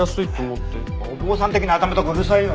お坊さん的な頭とかうるさいよ。